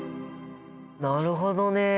なるほどね！